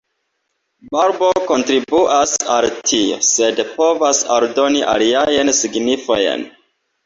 Barbo kontribuas al tio, sed povas aldoni aliajn signifojn.